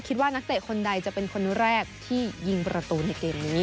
นักเตะคนใดจะเป็นคนแรกที่ยิงประตูในเกมนี้